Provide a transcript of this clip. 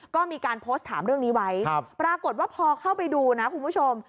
ก็มีการโพสต์ถามเรื่องนี้ไว้ปรากฏว่าพอเข้าไปดูนะคุณผู้ชม